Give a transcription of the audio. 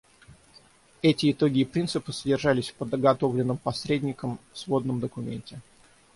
Эти итоги и принципы содержались в подготовленном посредником сводном документе.